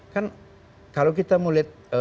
kan kalau kita mulai